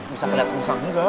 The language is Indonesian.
bisa kelihatan usang juga